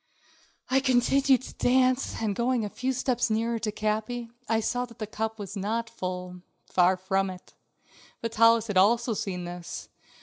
I continued to dance, and going a few steps nearer Capi, I saw that the cup was not full; far from it. Vitalis had also seen this.